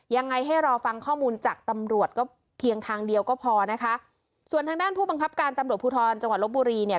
ยังไงให้รอฟังข้อมูลจากตำรวจก็เพียงทางเดียวก็พอนะคะส่วนทางด้านผู้บังคับการตำรวจภูทรจังหวัดลบบุรีเนี่ย